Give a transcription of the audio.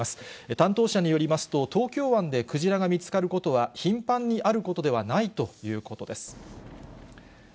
担当者によりますと、東京湾でクジラが見つかることは頻繁にあることではないということです。